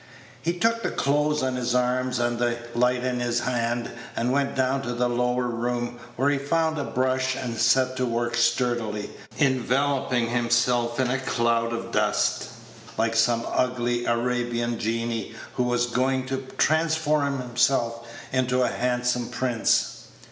He took the clothes on his arm and the light in his hand, and went down to the lower room, where he found a brush, and set to work sturdily, enveloping himself in a cloud of dust, like some ugly Arabian génie who was going to transform himself into a handsome prince.